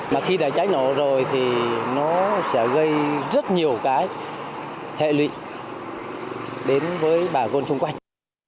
mà khi đã cháy nổ rồi thì nó sẽ gây rất nhiều cái hệ lụy đến với bà gôn xung quanh